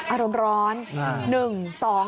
อารมณ์ร้อน